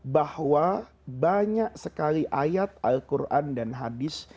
bahwa banyak sekali ayat al quran dan hadis